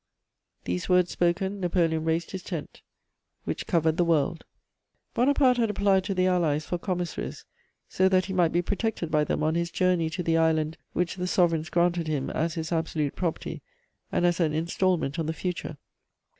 These words spoken, Napoleon raised his tent, which covered the world. * Bonaparte had applied to the Allies for commissaries, so that he might be protected by them on his journey to the island which the sovereigns granted him as his absolute property and as an installment on the future.